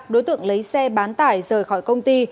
đối tượng lấy xe bán tải rời khỏi công ty